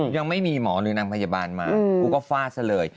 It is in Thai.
ยังไม่มีหมอหรือนางพยาบาลมากูก็ฟาดซะเลย